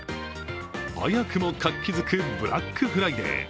早くも活気づくブラックフライデー。